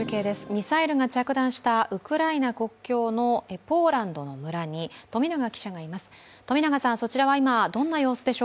ミサイルが着弾したウクライナ国境のポーランドの村に富永記者がいます。